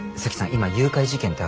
今誘拐事件ってある？